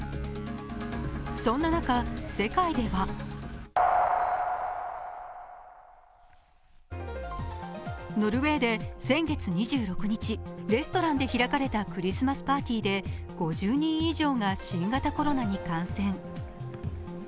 そんな中、世界ではノルウェーで先月２６日、レストランで開かれたクリスマスパーティーで５０人以上が新型コロナに感染。